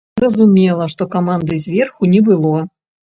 Зразумела, што каманды зверху не было.